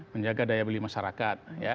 menjaga daya beli masyarakat